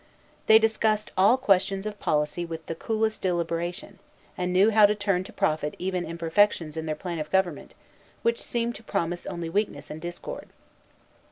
They discussed all questions of policy with the coolest deliberation, and knew how to turn to profit even imperfections in their plan of government which seemed to promise only weakness and discord.